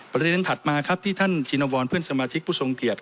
ประเด็นถัดมาครับที่ท่านชินวรเพื่อนสมาชิกผู้ทรงเกียจ